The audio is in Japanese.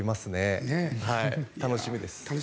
楽しみです。